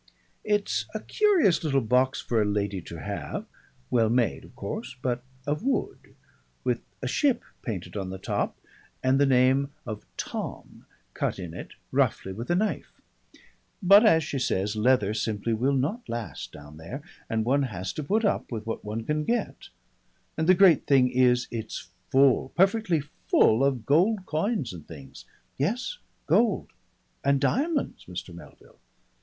It's a curious little box for a lady to have, well made, of course, but of wood, with a ship painted on the top and the name of 'Tom' cut in it roughly with a knife; but, as she says, leather simply will not last down there, and one has to put up with what one can get; and the great thing is it's full, perfectly full, of gold coins and things. Yes, gold and diamonds, Mr. Melville.